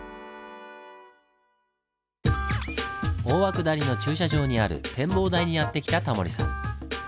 大涌谷の駐車場にある展望台にやって来たタモリさん。